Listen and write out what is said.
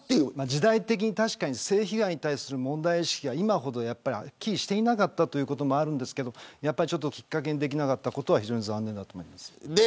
時代的に性被害に対する問題意識が今ほどはっきりしていなかったこともあるんですがやっぱりきっかけにできなかったことは非常に残念だと思います。